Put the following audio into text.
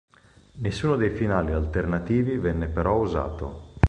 Nessuno dei finali alternativi venne però usato.